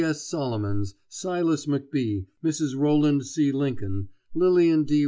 S. Solomons, Silas McBee, Mrs. Roland C. Lincoln, Lilian D.